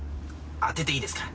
当てていいですか？